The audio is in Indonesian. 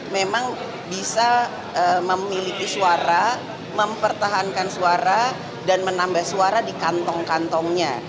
memang bisa memiliki suara mempertahankan suara dan menambah suara di kantong kantongnya